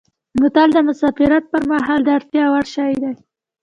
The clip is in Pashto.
بوتل د مسافرت پر مهال د اړتیا وړ شی دی.